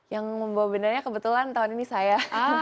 yang membawa benderanya kebetulan tahun ini saya